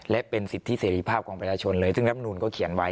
และเป็นสิทธิเสรีภาพของประชาชนเลยซึ่งรับนูนก็เขียนไว้